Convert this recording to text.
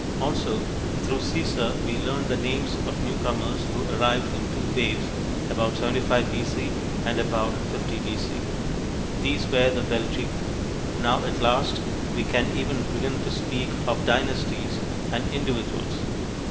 Also, through Caesar, we learn the names of newcomers who arrived in two waves, about 75 B.C. and about 50 B.C. These were the Belgae. Now, at last, we can even begin to speak of dynasties and individuals.